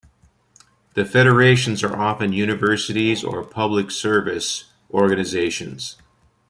The federations are often universities or public service organizations.